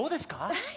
はい。